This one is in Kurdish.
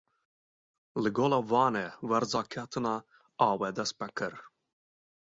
Li Gola Wanê werza ketina avê dest pê kir.